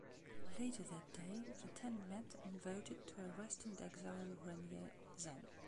Later that day, the Ten met and voted to arrest and exile Renier Zen.